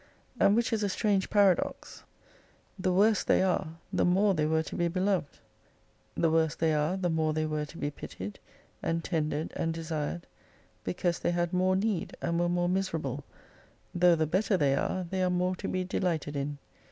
And, which is a strange paradox, the worse they are the more they were to be beloved. The worse they are the more they were to be pitied, and tendered and desired, because they had more need, and were more miserable, though the better they are, they are more to be delighted in.